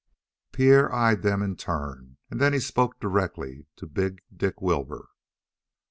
Pierre eyed them in turn, and then he spoke directly to big Dick Wilbur.